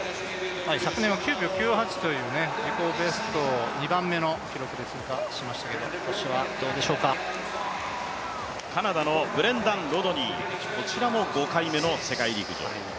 昨年は９秒９８、自己ベスト２番目の記録で通過しましたけれども、カナダのブレンダン・ロドニー、こちらも５回目の世界陸上。